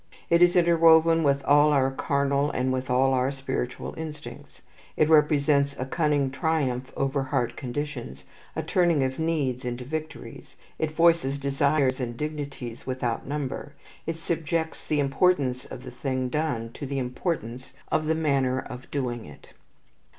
It is interwoven with all our carnal and with all our spiritual instincts. It represents a cunning triumph over hard conditions, a turning of needs into victories. It voices desires and dignities without number, it subjects the importance of the thing done to the importance of the manner of doing it.